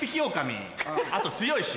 あと強いし。